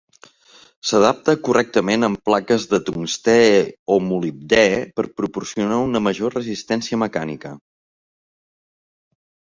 S'adapta correctament amb plaques de tungstè o molibdè per proporcionar una major resistència mecànica.